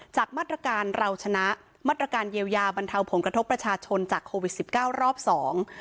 จากมาตรการเราชนะมาตรการเยียวยาบรรเทาผลกระทบประชาชนจากโควิดสิบเก้ารอบสอง